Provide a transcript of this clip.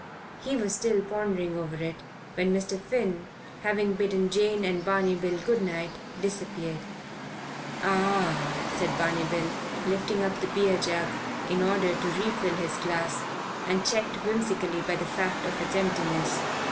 He was still pondering over it when Mr. Finn, having bidden Jane and Barney Bill good night, disappeared. "Ah!" said Barney Bill, lifting up the beer jug in order to refill his glass, and checked whimsically by the fact of its emptiness.